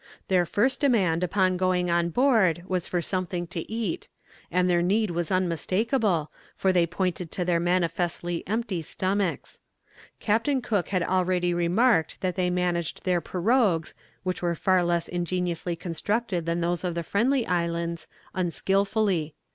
Their first demand upon going on board was for something to eat; and their need was unmistakable, for they pointed to their manifestly empty stomachs. Captain Cook had already remarked that they managed their pirogues, which were far less ingeniously constructed than those of the Friendly Islands, unskilfully.